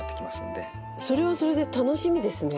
それはそれで楽しみですね。